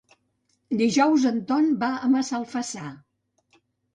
Dijous en Ton va a Massalfassar.